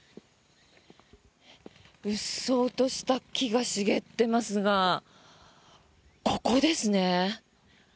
うっそうとした木が茂っていますがここですね。